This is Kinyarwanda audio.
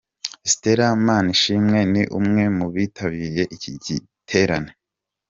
Stella Manishimwe ni umwe mu bitabiriye iki giterane.